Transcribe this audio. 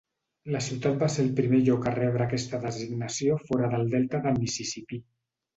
La ciutat va ser el primer lloc a rebre aquesta designació fora del Delta del Mississipí.